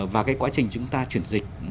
và cái quá trình chúng ta chuyển dịch